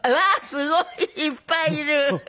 すごいいっぱいいる。